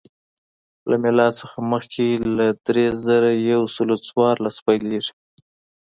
له میلاد څخه مخکې له درې زره یو سل څوارلس پیلېږي